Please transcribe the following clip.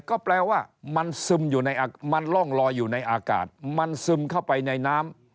ก็แปลว่ามันล่องลอยอยู่ในอากาศมันซึมเข้าไปในน้ำ